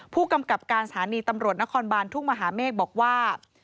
ผู้กำกับการสถานีตำรวจนครบานทุ่งมหาเมฆบอกว่า